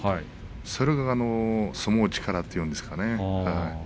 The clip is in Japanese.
それが相撲の力というんでしょうかね。